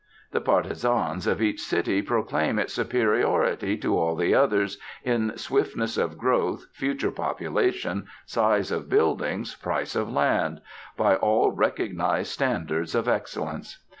The partisans of each city proclaim its superiority to all the others in swiftness of growth, future population, size of buildings, price of land by all recognised standards of excellence.